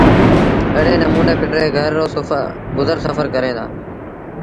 ايڙي نموٚني پنڊري گھر رو سڦر گزر ڪري دو